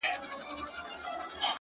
گرېـوانـونه به لانــــده كـــــــــړم،